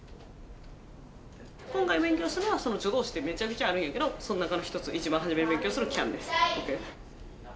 今回勉強するのは助動詞ってめちゃめちゃあるんやけどその中の一つ一番初めに勉強するｃａｎです。ＯＫ？